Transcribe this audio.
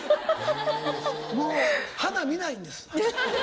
もう花見ないんです。